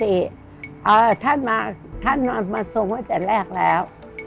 เรื่องช้างนี้โปรกติท่านมาส่งมาตั้งแต่แรกแล้ว